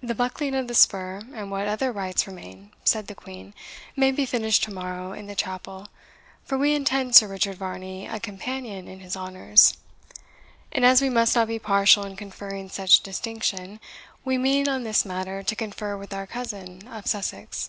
"The buckling of the spur, and what other rites remain," said the Queen, "may be finished to morrow in the chapel; for we intend Sir Richard Varney a companion in his honours. And as we must not be partial in conferring such distinction, we mean on this matter to confer with our cousin of Sussex."